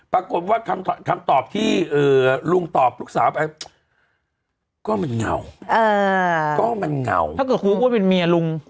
ปรากฏว่าคำตอบที่ลุงตอบลูกสาวไป